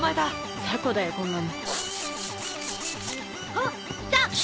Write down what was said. あっいた！